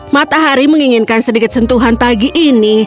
matahari menginginkan sedikit sentuhan pagi ini